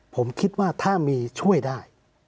ผมคิดว่าถ้ามีช่วยได้